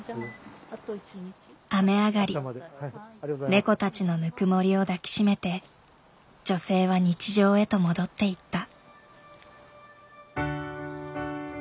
ネコたちのぬくもりを抱き締めて女性は日常へと戻っていった。